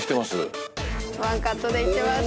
ワンカットでいってます。